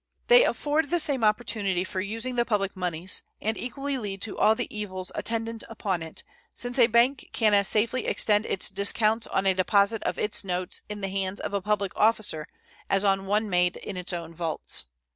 They afford the same opportunity for using the public moneys, and equally lead to all the evils attendant upon it, since a bank can as safely extend its discounts on a deposit of its notes in the hands of a public officer as on one made in its own vaults.